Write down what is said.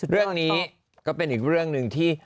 เรื่องนี้ก็เป็นอีกเรื่องหนึ่งที่